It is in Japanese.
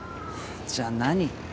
じゃあ何？